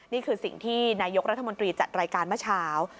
นี่คือสิ่งที่นายกรัฐมนตรีจัดรายการเมื่อเช้า